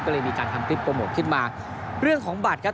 ก็เลยมีการทำคลิปโปรโมทขึ้นมาเรื่องของบัตรครับ